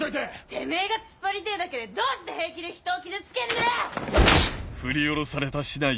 てめぇがつっぱりてぇだけでどうして平気でひとを傷つけんだよ！